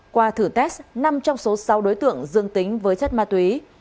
qua thử test năm trong số sáu đối tượng dương tính với chất ma túy